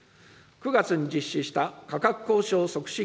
９月に実施した価格交渉促進